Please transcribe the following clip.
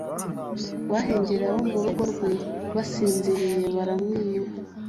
bahengereye abo mu rugo rwe basinziriye baramwiba